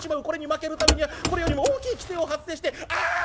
これに負けぬためにはこれよりも大きい奇声を発声してあ！」。